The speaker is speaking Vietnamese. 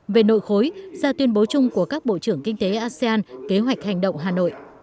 về nội khối ra tuyên bố chung của các bộ trưởng kinh tế asean kế hoạch hành động hà nội